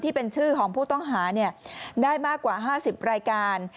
ที่เป็นชื่อของผู้ต้องหาได้มากกว่า๕๐รายการ